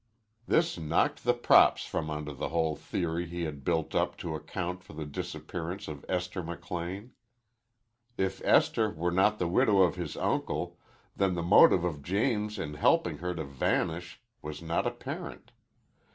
This knocked the props from under the whole theory he had built up to account for the disappearance of Esther McLean. If Esther were not the widow of his uncle, then the motive of James in helping her to vanish was not apparent.